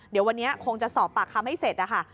เดี๋ยววันนี้คงจะสอบปากคำให้เสร็จนะคะ